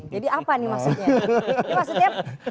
jadi apa nih maksudnya